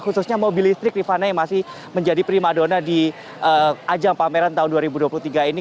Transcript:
khususnya mobil listrik rifana yang masih menjadi prima dona di ajang pameran tahun dua ribu dua puluh tiga ini